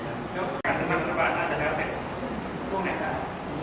การรับรับแบบอาจจะแล้วในห้องไหนครับ